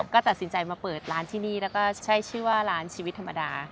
ก็ตัดสินใจมาเปิดร้านที่นี่แล้วก็ใช้ชื่อว่าร้านชีวิตธรรมดา